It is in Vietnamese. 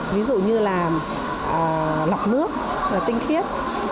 ví dụ như là lọc nước tinh khiết